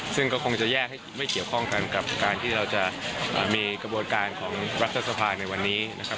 ซึ่งก็คงจะแยกให้ไม่เกี่ยวข้องกันกับการที่เราจะมีกระบวนการของรัฐสภาในวันนี้นะครับ